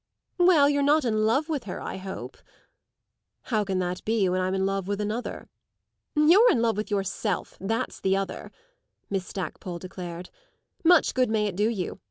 "Well, you're not in love with her, I hope." "How can that be, when I'm in love with Another?" "You're in love with yourself, that's the Other!" Miss Stackpole declared. "Much good may it do you!